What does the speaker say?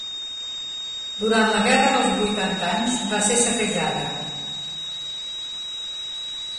Durant la guerra dels vuitanta anys va ser saquejada.